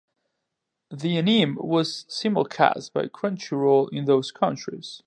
The anime was simulcast by Crunchyroll in those countries.